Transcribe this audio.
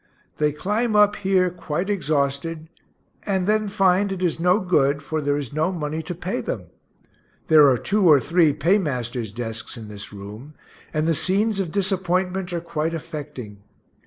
They climb up here, quite exhausted, and then find it is no good, for there is no money to pay them; there are two or three paymasters' desks in this room, and the scenes of disappointment are quite affecting.